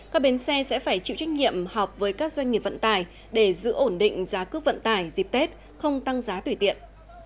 các bến xe sẽ phải chịu trách nhiệm họp với các doanh nghiệp vận tải để giữ ổn định giá cước vận tải dịp tết không tăng giá tủy tiện